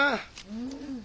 うん。